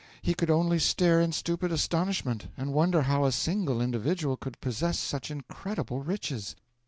He could only stare in stupid astonishment, and wonder how a single individual could possess such incredible riches.